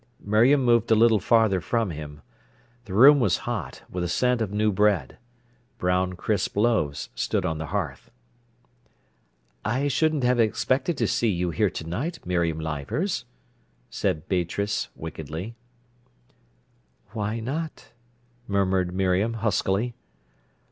Miriam moved a little farther from him. The room was hot, with a scent of new bread. Brown, crisp loaves stood on the hearth. "I shouldn't have expected to see you here to night, Miriam Leivers," said Beatrice wickedly. "Why not?" murmured Miriam huskily.